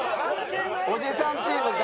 おじさんチームが。